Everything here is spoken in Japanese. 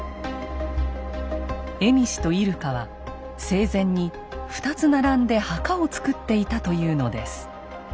蝦夷と入鹿は生前に２つ並んで墓をつくっていたというのです。